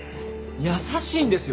優しいんですよ！